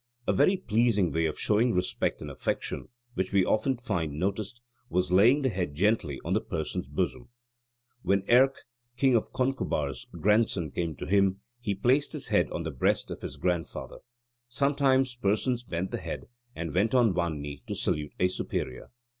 A very pleasing way of showing respect and affection, which we often find noticed, was laying the head gently on the person's bosom. When Erc, King Concobar's grandson, came to him, "he placed his head on the breast of his grandfather." Sometimes persons bent the head and went on one knee to salute a superior.